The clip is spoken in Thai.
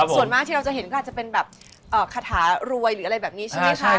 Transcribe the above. ส่วนมากที่เราจะเห็นก็อาจจะเป็นแบบคาถารวยหรืออะไรแบบนี้ใช่ไหมคะ